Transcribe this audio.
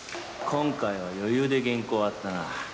今回は余裕で原稿終わったな。